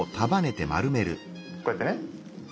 こうやってね。